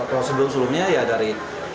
kalau sebelum sebelumnya ya dari